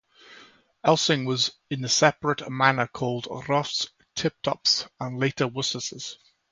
Elsyng was in the separate manor called Wroth's, Tiptofts and later Worcesters.